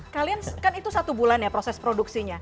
kalian kan itu satu bulan ya proses produksinya